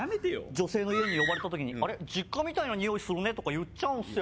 女性の家に呼ばれた時にあれ実家みたいなにおいするねとか言っちゃうんですよ